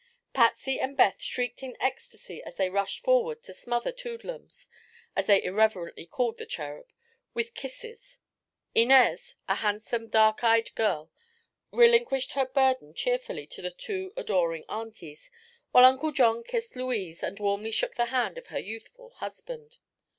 Patsy and Beth shrieked in ecstasy as they rushed forward to smother "Toodlums," as they irreverently called the Cherub, with kisses. Inez, a handsome, dark eyed girl, relinquished her burden cheerfully to the two adoring "aunties," while Uncle John kissed Louise and warmly shook the hand of her youthful husband.